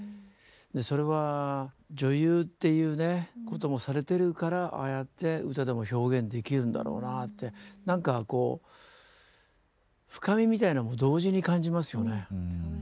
でそれは女優っていうねこともされてるからああやって歌でも表現できるんだろうなあって何かこう深みみたいなものを同時に感じますよね。